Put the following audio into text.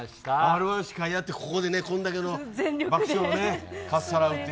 Ｒ−１の司会をやってここでこれだけの爆笑をかっさらうと。